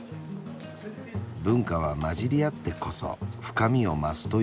文化は混じり合ってこそ深みを増すということか。